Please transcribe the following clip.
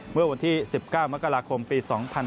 เมื่อวันที่๑๙มกราคมปี๒๕๕๙